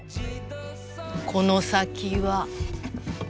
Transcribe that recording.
この先は。